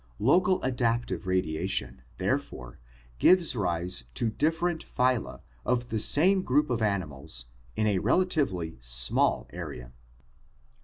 Local adaptive radiation therefore gives rise to different phyla of the same group of animals in a relatively small area.